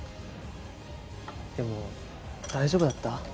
でも大丈夫だった？